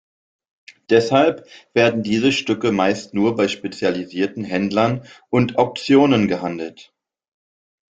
Deshalb werden diese Stücke meist nur bei spezialisierten Händlern und Auktionen gehandelt.